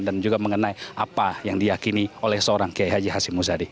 dan juga mengenai apa yang diakini oleh seorang kiai haji hasyim musadi